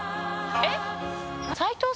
えっ？